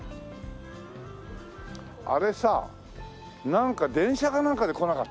あれさなんか電車かなんかで来なかった？